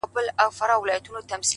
د ميني ننداره ده د مذهب خبره نه ده